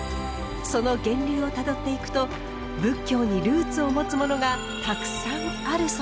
その源流をたどっていくと仏教にルーツを持つものがたくさんあるそうです。